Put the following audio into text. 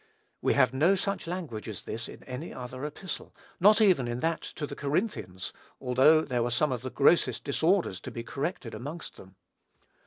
We have no such language as this in any other epistle; not even in that to the Corinthians, although there were some of the grossest disorders to be corrected amongst them.